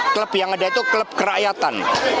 klub yang ada itu klub kerakyatan